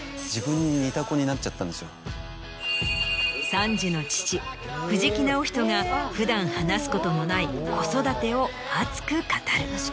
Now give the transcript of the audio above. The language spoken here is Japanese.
３児の父藤木直人が普段話すことのない子育てを熱く語る。